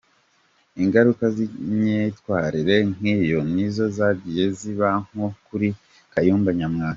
Ingaruka z’imyatwarire nk’iyo nizo zagiye ziba nko kuri Kayumba Nyamwasa.